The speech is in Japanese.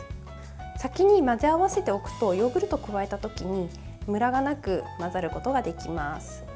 先に混ぜ合わせておくとヨーグルトを加えた時にムラがなく混ざることができます。